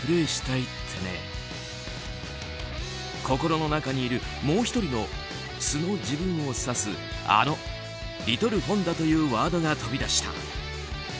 心の中にいるもう１人の素の自分を指すあのリトルホンダというワードが飛び出した。